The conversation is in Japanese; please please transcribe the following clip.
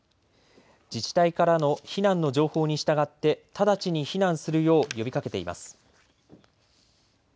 自治体からの避難の情報に従って直ちに避難するよう呼びかけています。